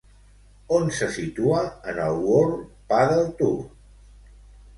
On se situa en el World Padel Tour?